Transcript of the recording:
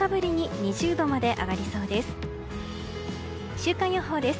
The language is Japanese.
週間予報です。